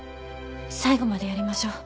最後までやりましょう。